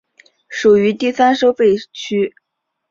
属于第三收费区。